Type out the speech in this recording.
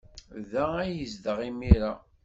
Da ay yezdeɣ imir-a.